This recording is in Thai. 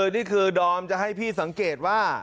นี่คือดอมจะให้พี่สังเกตว่า